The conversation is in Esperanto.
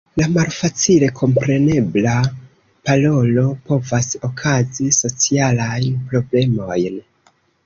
La malfacile komprenebla parolo povas okazi socialajn problemojn.